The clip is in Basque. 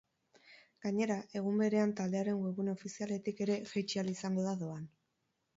Gainera, egun berean taldearen webgune ofizialetik ere jaitsi ahal izango da doan.